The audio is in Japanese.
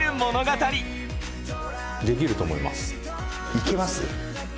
いけます？